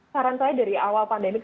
saran saya dari awal pandemi